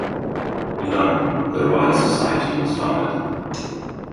In London, the Royal Society was founded.